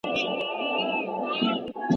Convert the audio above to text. که څېړنه سمه نه وي پوهنتون یې نه مني.